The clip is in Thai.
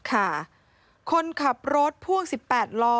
คนขับรถพ่วง๑๘ล้อ